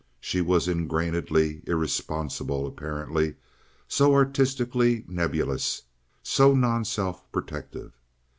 She was ingrainedly irresponsible, apparently—so artistically nebulous, so non self protective.